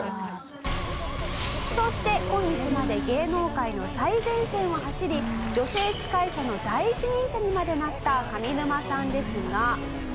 「そして今日まで芸能界の最前線を走り女性司会者の第一人者にまでなった上沼さんですが」